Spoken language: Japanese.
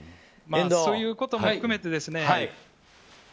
そういうことも含めて